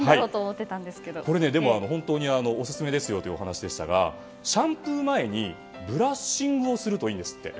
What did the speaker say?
これはオススメですというお話でしたがシャンプー前にブラッシングをするといいんですって。